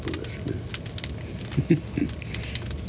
フフフッ。